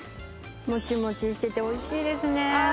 もちもちしてておいしいですね。